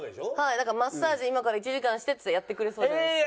だからマッサージ今から１時間してっつったらやってくれそうじゃないですか。